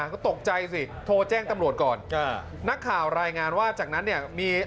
ก็ตกใจสิโทรแจ้งตำรวจก่อนนักข่าวรายงานว่าจากนั้นเนี่ยมี